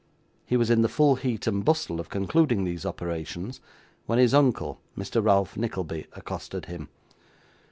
He was in the full heat and bustle of concluding these operations, when his uncle, Mr. Ralph Nickleby, accosted him.